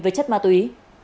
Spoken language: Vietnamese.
với chất ma túy